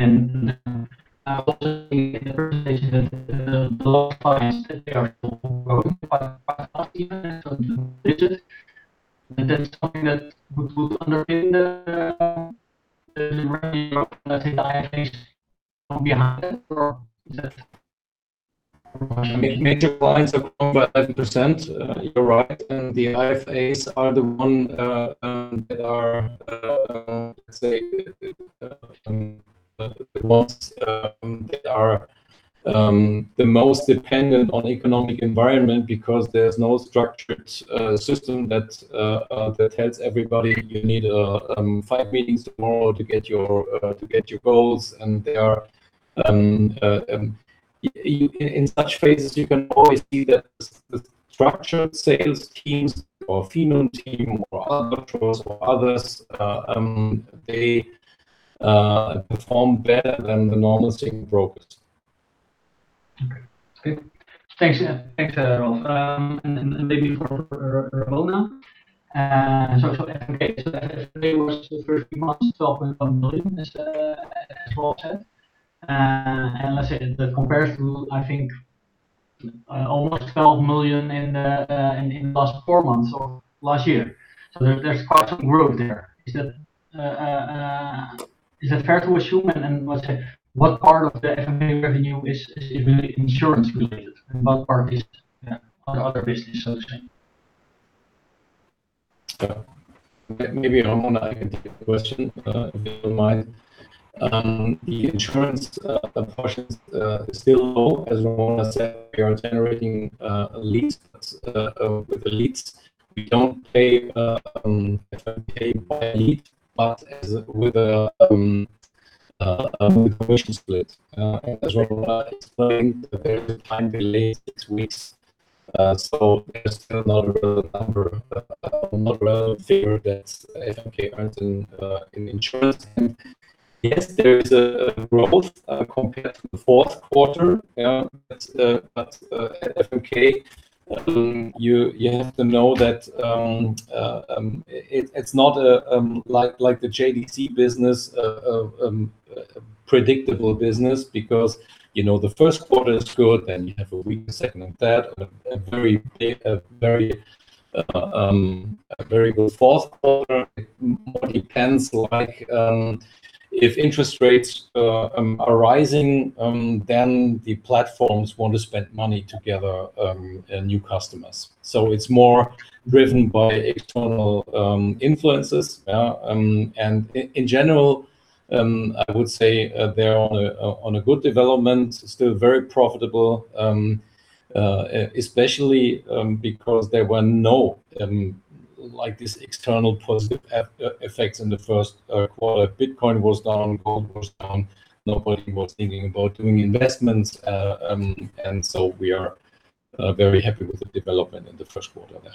I was just in the first stage that the lost clients, they are still growing quite fast even. Two digits. That's something that would underpin the revenue or let's say the IFAs from behind that or is that? Major clients have grown by 11%, you're right. The IFAs are the one that are, let's say, the ones that are the most dependent on economic environment because there's no structured system that tells everybody you need five meetings tomorrow to get your goals. They are in such phases, you can always see that the structured sales teams or Finom team or other brokers or others, they perform better than the normal saving brokers. Okay. Great. Thanks. Thanks, Ralph. Maybe for Ramona. For FMK, that FMK was the first few months, 12.1 million as Ralph said. Let's say that compares to, I think, almost 12 million in the last four months or last year. There's quite some growth there. Is that fair to assume? Let's say, what part of the FMK revenue is really insurance related and what part is other business, so to say? Yeah. Maybe Ramona can take the question if you don't mind. The insurance portion is still low. As Ramona said, we are generating leads. With the leads, we don't pay per lead, but as with a commission split. As Ramona explained, there is a time delay, six weeks. There's still not a number, not relevant figure that FMK earned in insurance. Yes, there is a growth compared to the fourth quarter. Yeah. At FMK, you have to know that, it's not a like the JDC business predictable business because, you know, the first quarter is good, then you have a weak second and third, but a very good fourth quarter. It more depends like if interest rates are rising, then the platforms want to spend money to gather new customers. It's more driven by external influences. Yeah. In general, I would say, they're on a good development, still very profitable. Especially because there were no like these external positive effects in the first quarter. Bitcoin was down, gold was down. Nobody was thinking about doing investments. We are very happy with the development in the first quarter there.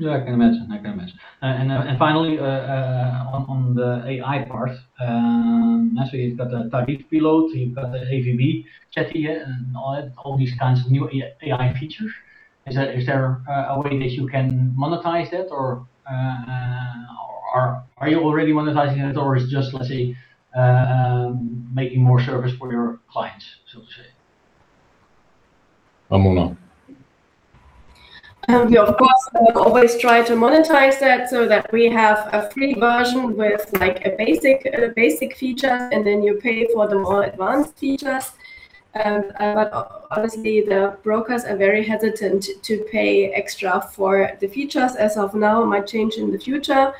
Yeah. I can imagine. I can imagine. Finally, on the AI part, naturally you've got the tariff pillow, so you've got the Chatty here and all that, all these kinds of new AI features. Is there a way that you can monetize that or are you already monetizing it or is just, let's say, making more service for your clients, so to say? Ramona. We of course, like always try to monetize that so that we have a free version with like a basic feature, and then you pay for the more advanced features. Obviously the brokers are very hesitant to pay extra for the features as of now, it might change in the future.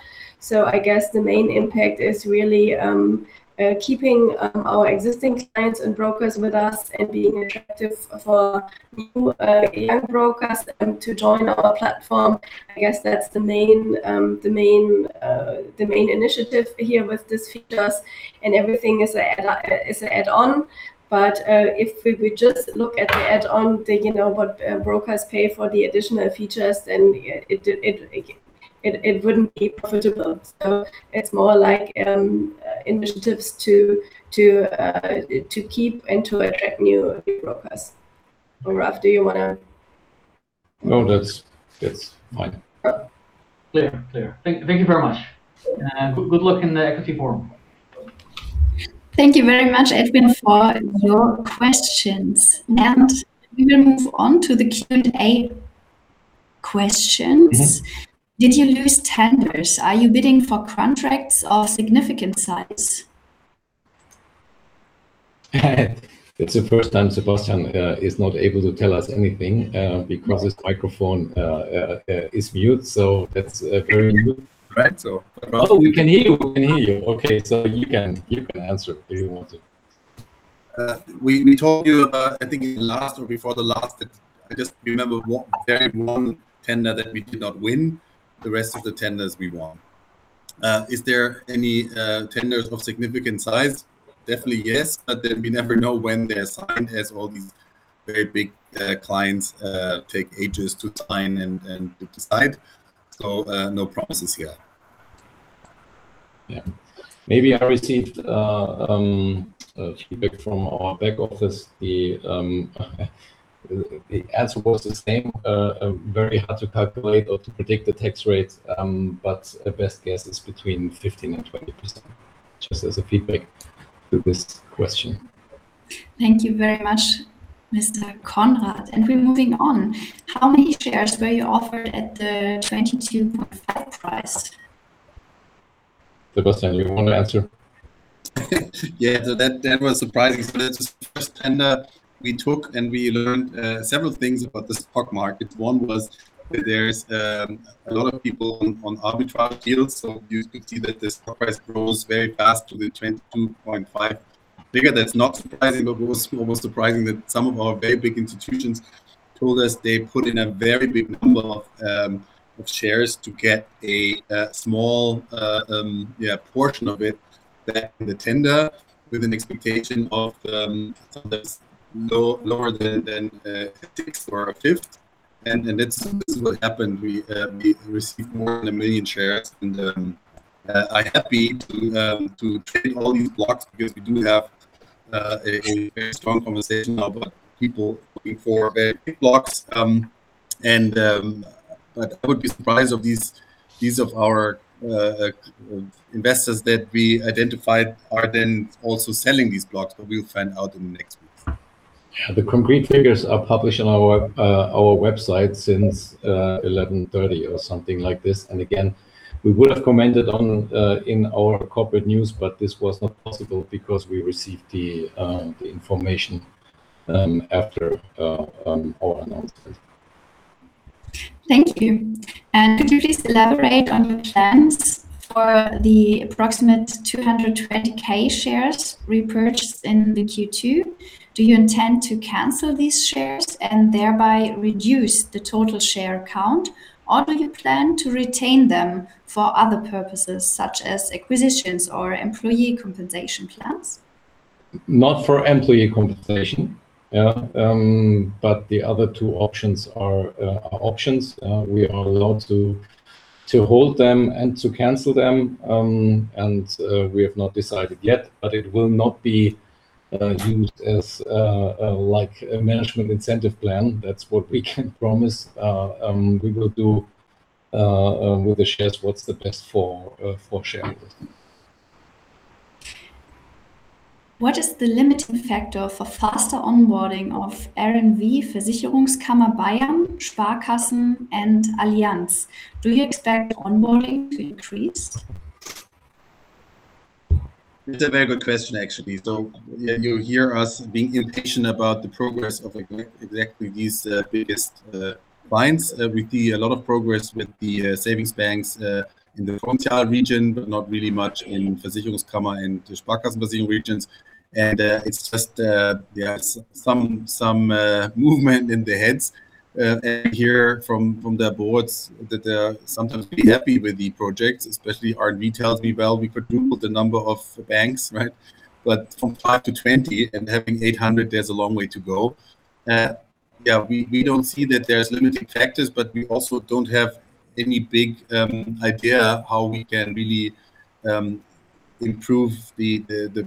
I guess the main impact is really, keeping our existing clients and brokers with us and being attractive for new, young brokers, to join our platform. I guess that's the main, the main, the main initiative here with these features, and everything is a add-on. If we just look at the add-on, the, you know, what brokers pay for the additional features then it wouldn't be profitable. It's more like initiatives to keep and to attract new brokers. Ralph. No, that's fine. Clear. Thank you very much. Good luck in the Equity Forum. Thank you very much, Edwin, for your questions. We will move on to the Q&A questions. Did you lose tenders? Are you bidding for contracts of significant size? It's the first time Sebastian, is not able to tell us anything, because his microphone, is mute. That's, very new. Right, so. Oh, we can hear you. We can hear you. Okay. You can answer if you want to. We told you about, I think in last or before the last, I just remember one, very one tender that we did not win. The rest of the tenders we won. Is there any tenders of significant size? Definitely yes, we never know when they're signed as all these very big clients take ages to sign and to decide. No promises here. Yeah. Maybe I received feedback from our back office. The answer was the same, very hard to calculate or to predict the tax rate. The best guess is between 15% and 20%, just as a feedback to this question. Thank you very much, Mr. Konrad. We're moving on. How many shares were you offered at the 22.5 price? Sebastian, you wanna answer? That was surprising. That was the first tender we took, and we learned several things about the stock market. One was that there is a lot of people on arbitrage deals. You could see that the stock price rose very fast to the 22.5 figure. That's not surprising, but what was almost surprising that some of our very big institutions told us they put in a very big number of shares to get a small portion of it back in the tender with an expectation of something that's lower than 50 or a fifth. That's basically what happened. We received more than 1 million shares. Are happy to trade all these blocks because we do have a very strong conversation now about people looking for very big blocks. But I would be surprised if these of our investors that we identified are then also selling these blocks. We'll find out in the next weeks. Yeah. The concrete figures are published on our website since 11:30 AM or something like this. Again, we would have commented on in our corporate news, but this was not possible because we received the information after our announcement. Thank you. Could you please elaborate on your plans for the approximate 220,000 shares repurchased in the Q2? Do you intend to cancel these shares and thereby reduce the total share count, or do you plan to retain them for other purposes such as acquisitions or employee compensation plans? Not for employee compensation. Yeah. The other two options are options. We are allowed to hold them and to cancel them. We have not decided yet, it will not be used as like a management incentive plan. That's what we can promise. We will do with the shares what's the best for shareholders. What is the limiting factor for faster onboarding of R+V, Versicherungskammer Bayern, Sparkassen and Allianz? Do you expect onboarding to increase? That's a very good question actually. Yeah, you hear us being impatient about the progress of exactly these biggest clients. We see a lot of progress with the savings banks in the Franconia region, but not really much in Versicherungskammer and the Sparkassen regions. It's just yeah, some movement in the heads. We hear from their boards that they are sometimes pretty happy with the projects, especially R+V tells me, well, we could double the number of banks, right? From five to 20 and having 800, there's a long way to go. We don't see that there's limiting factors, but we also don't have any big idea how we can really improve the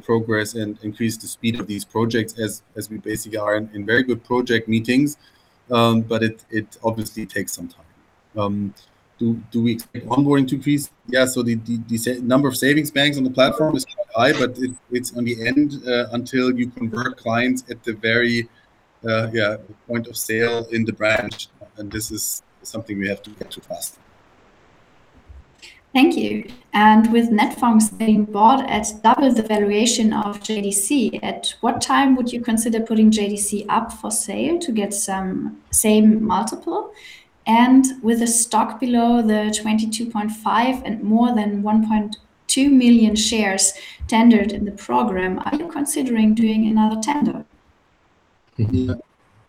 progress and increase the speed of these projects as we basically are in very good project meetings. It obviously takes some time. Do we expect onboarding to increase? The number of savings banks on the platform is quite high, but it's on the end until you convert clients at the very point of sale in the branch, and this is something we have to get to faster. Thank you. With Netfonds being bought at double the valuation of JDC, at what time would you consider putting JDC up for sale to get some same multiple? With the stock below 22.5 and more than 1.2 million shares tendered in the program, are you considering doing another tender?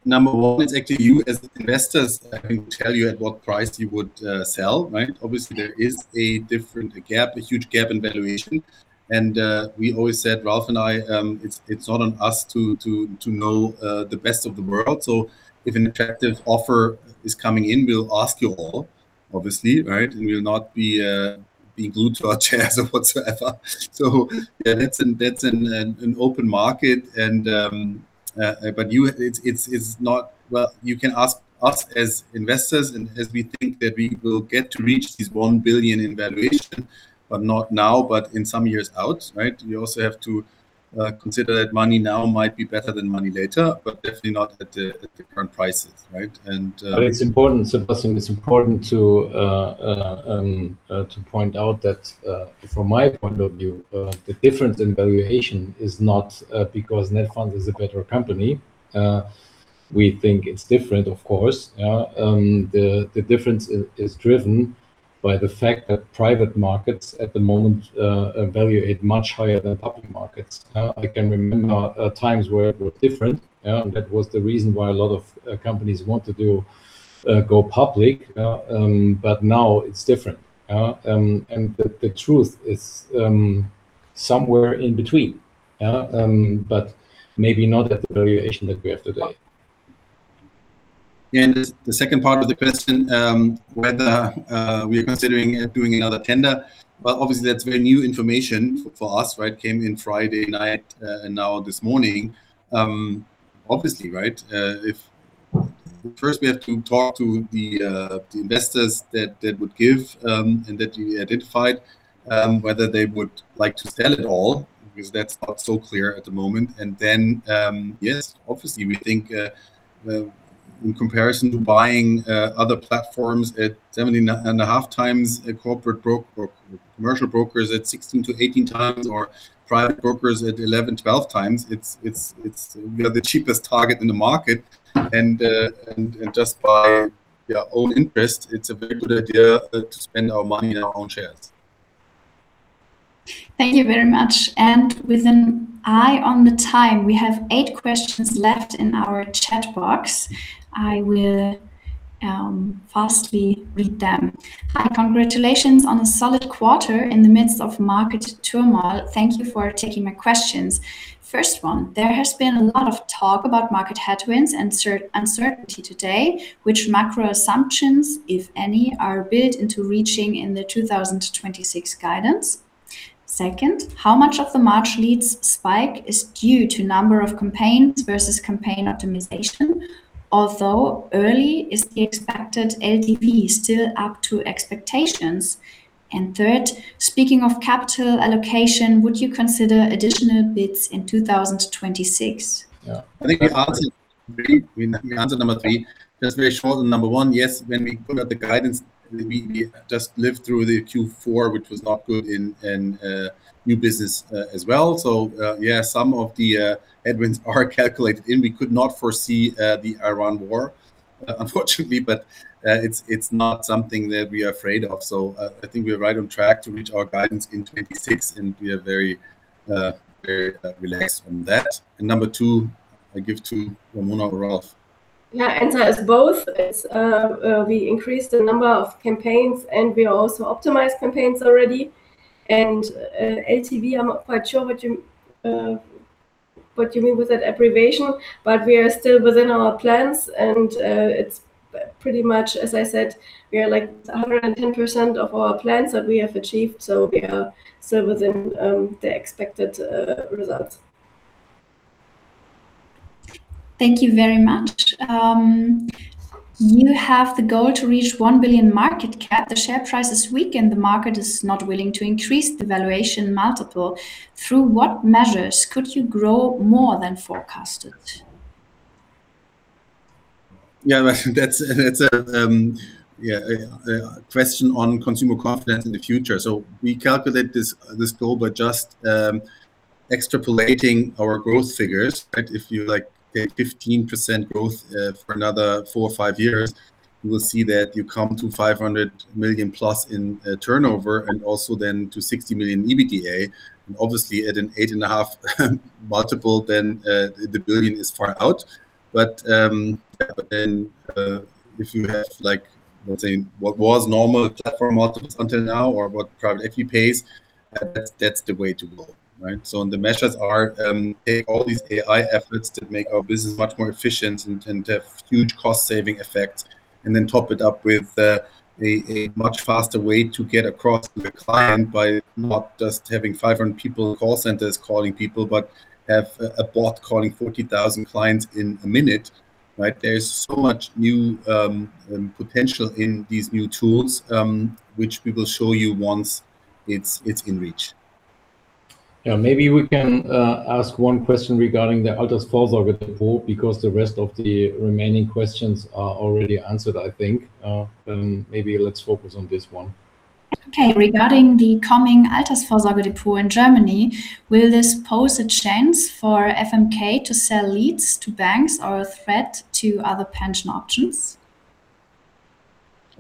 Number one, it's actually you as the investors that can tell you at what price you would sell, right? Obviously, there is a different gap, a huge gap in valuation. We always said, Ralph and I, it's not on us to know the best of the world. If an attractive offer is coming in, we'll ask you all, obviously, right? We'll not be glued to our chairs or whatsoever. Yeah, that's an open market. You can ask us as investors and as we think that we will get to reach this 1 billion in valuation, but not now, but in some years out, right? We also have to consider that money now might be better than money later, but definitely not at the current prices, right? It's important, Sebastian, it's important to point out that from my point of view, the difference in valuation is not because Netfonds is a better company. We think it's different, of course, yeah. The difference is driven by the fact that private markets at the moment valuate much higher than public markets, yeah. I can remember times where it were different, yeah. That was the reason why a lot of companies want to go public, but now it's different, yeah. The truth is somewhere in between, yeah. Maybe not at the valuation that we have today. The second part of the question, whether we're considering doing another tender. Well, obviously that's very new information for us, right? Came in Friday night, now this morning. Obviously, right, First we have to talk to the investors that would give and that we identified, whether they would like to sell at all, because that's not so clear at the moment. Then, yes, obviously we think in comparison to buying other platforms at 17.5x a corporate or commercial brokers at 16x-18x, or private brokers at 11x, 12x, We are the cheapest target in the market. Just by our own interest, it's a very good idea to spend our money in our own shares. Thank you very much. With an eye on the time, we have eight questions left in our chat box. I will fastly read them. Hi, congratulations on a solid quarter in the midst of market turmoil. Thank you for taking my questions. First one. There has been a lot of talk about market headwinds and uncertainty to date. Which macro assumptions, if any, are built into reaching in the 2026 guidance? Second. How much of the March leads spike is due to number of campaigns versus campaign optimization? Although early, is the expected LTV still up to expectations? Third. Speaking of capital allocation, would you consider additional bids in 2026? Yeah. I think we answered number three. Just very short on number one, yes, when we put out the guidance, we just lived through the Q4, which was not good in new business as well. Yeah, some of the headwinds are calculated in. We could not foresee the Iran war unfortunately, it's not something that we are afraid of. I think we are right on track to reach our guidance in 2026, we are very relaxed on that. Number two, I give to Ramona or Ralph. Yeah, it answers both. It's, we increased the number of campaigns, and we also optimized campaigns already. LTV, I'm not quite sure what you mean with that abbreviation, but we are still within our plans and it's pretty much, as I said, we are, like, 110% of our plans that we have achieved. We are still within the expected results. Thank you very much. You have the goal to reach 1 billion market cap. The share price is weak, the market is not willing to increase the valuation multiple. Through what measures could you grow more than forecasted? Yeah, that's a question on consumer confidence in the future. We calculate this goal by just extrapolating our growth figures, right? If you, like, get 15% growth for another four or five years, you will see that you come to 500+ million in turnover and also then to 60 million EBITDA. Obviously at an 8.5 multiple, then, 1 billion is far out. Then, if you have, like, let's say, what was normal platform multiples until now or what private equity pays, that's the way to go, right? The measures are, take all these AI efforts to make our business much more efficient and have huge cost saving effect, and then top it up with a much faster way to get across to the client by not just having 500 people in call centers calling people, but have a bot calling 40,000 clients in a minute, right? There's so much new potential in these new tools, which we will show you once it's in reach. Yeah. Maybe we can ask one question regarding the Altersvorsorgedepot, because the rest of the remaining questions are already answered, I think. Maybe let's focus on this one. Regarding the coming Altersvorsorgedepot in Germany, will this pose a chance for FMK to sell leads to banks or a threat to other pension options?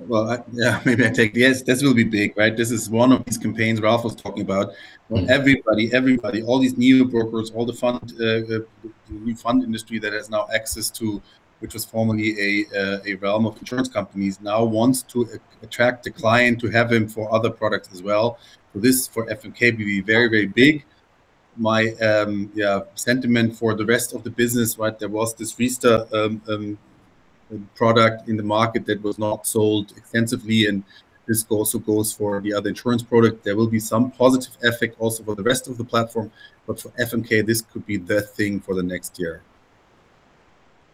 Well, this will be big, right? This is one of these campaigns Ralph was talking about. Where everybody, all these new brokers, all the fund industry that has now access to, which was formerly a realm of insurance companies now wants to attract the client to have him for other products as well. This, for FMK, will be very big. My sentiment for the rest of the business, right, there was this Riester product in the market that was not sold extensively, this also goes for the other insurance product. There will be some positive effect also for the rest of the platform, for FMK, this could be the thing for the next year.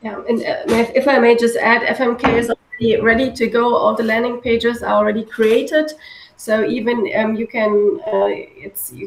Yeah. If I may just add, FMK is already ready to go. All the landing pages are already created, even you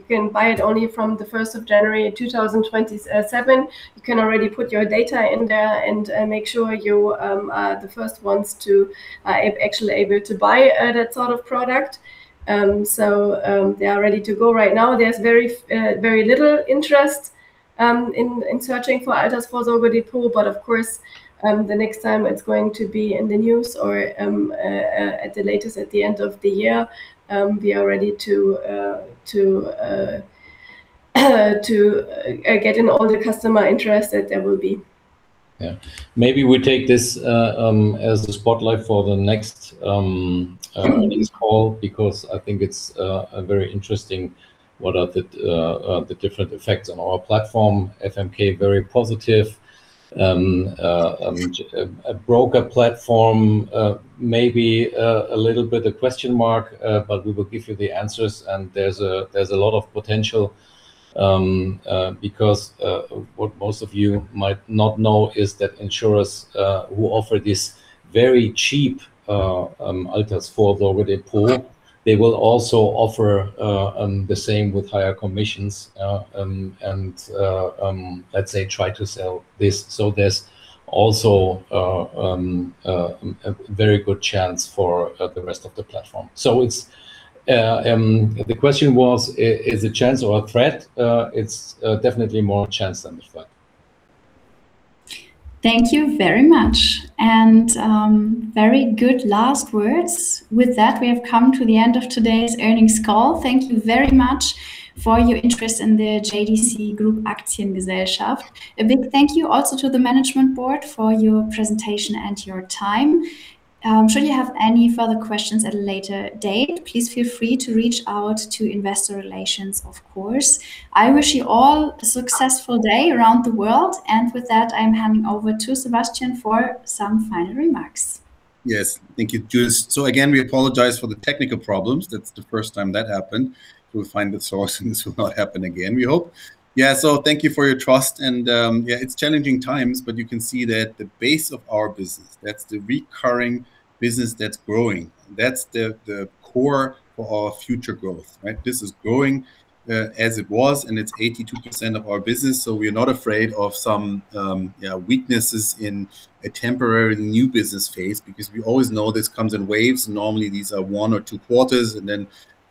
can buy it only from the 1st January, 2027. You can already put your data in there, make sure you are the first ones to actually able to buy that sort of product. They are ready to go right now. There's very little interest in searching for Altersvorsorgedepot, of course, the next time it's going to be in the news or at the latest at the end of the year, we are ready to get in all the customer interest that there will be. Yeah. Maybe we take this as the spotlight for the next earnings call because I think it's a very interesting, what are the different effects on our platform. FMK, very positive. A broker platform, a little bit of question mark, we will give you the answers. There's a lot of potential because what most of you might not know is that insurers who offer this very cheap Altersvorsorgedepot, they will also offer the same with higher commissions and let's say try to sell this. There's also a very good chance for the rest of the platform. It's the question was, is it chance or a threat? It's definitely more chance than the threat. Thank you very much. Very good last words. With that, we have come to the end of today's earnings call. Thank you very much for your interest in the JDC Group Aktiengesellschaft. A big thank you also to the management board for your presentation and your time. Should you have any further questions at a later date, please feel free to reach out to investor relations, of course. I wish you all a successful day around the world. With that, I'm handing over to Sebastian for some final remarks. Yes. Thank you, Judith. Again, we apologize for the technical problems. That's the first time that happened. We'll find the source, and this will not happen again, we hope. Thank you for your trust and it's challenging times, but you can see that the base of our business, that's the recurring business that's growing. That's the core for our future growth, right? This is growing as it was, and it's 82% of our business, so we're not afraid of some weaknesses in a temporary new business phase, because we always know this comes in waves. Normally, these are one or two quarters, and then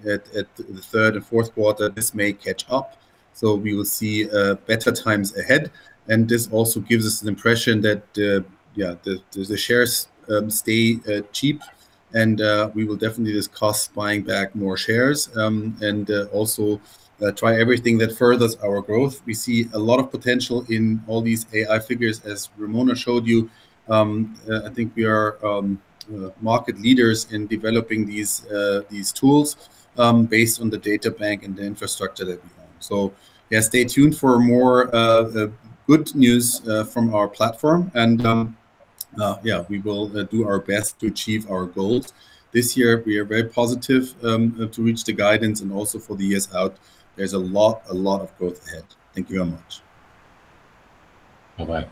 at the third and fourth quarter, this may catch up. We will see better times ahead. This also gives us an impression that, yeah, the shares stay cheap and we will definitely discuss buying back more shares and also try everything that furthers our growth. We see a lot of potential in all these AI figures, as Ramona showed you. I think we are market leaders in developing these tools based on the data bank and the infrastructure that we have. Yeah, stay tuned for more good news from our platform. Yeah, we will do our best to achieve our goals. This year we are very positive to reach the guidance and also for the years out. There's a lot of growth ahead. Thank you very much. Bye-bye.